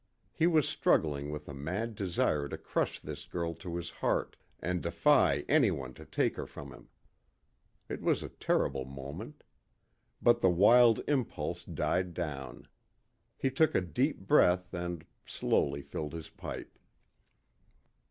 He was struggling with a mad desire to crush this girl to his heart and defy any one to take her from him. It was a terrible moment. But the wild impulse died down. He took a deep breath and slowly filled his pipe.